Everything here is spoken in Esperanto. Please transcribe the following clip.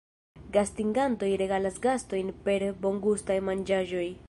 Gastigantoj regalas gastojn per bongustaj manĝaĵoj.